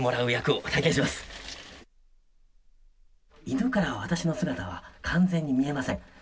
犬から私の姿は、完全に見えません。